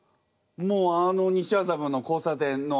もうあの西麻布の交差点の。